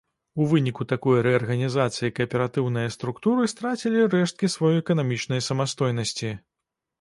У выніку такой рэарганізацыі кааператыўныя структуры страцілі рэшткі сваёй эканамічнай самастойнасці.